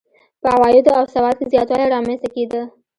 په عوایدو او سواد کې زیاتوالی رامنځته کېده.